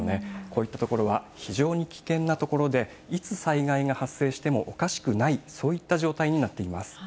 こういった所は非常に危険な所で、いつ災害が発生してもおかしくない、そういった状態になっています。